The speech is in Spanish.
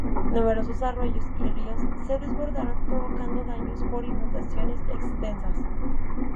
Numerosos arroyos y ríos se desbordaron, provocando daños por inundaciones extensas.